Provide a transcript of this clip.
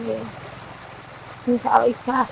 jangan aja ikhras